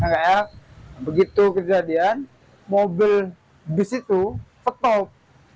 karena begitu kejadian mobil di situ stop